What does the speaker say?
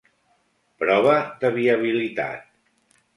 Prova de viabilitat.